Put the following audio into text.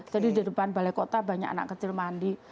jadi di depan balai kota banyak anak kecil mandi